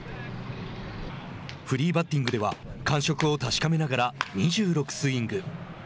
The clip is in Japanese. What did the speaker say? フリーバッティングでは感触を確かめながら２６スイング。